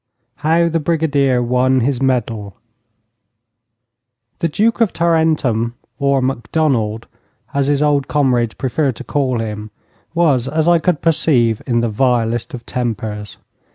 HOW THE BRIGADIER WON HIS MEDAL The Duke of Tarentum, or Macdonald, as his old comrades prefer to call him, was, as I could perceive, in the vilest of tempers.